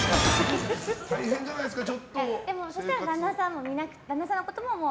大変じゃないですか？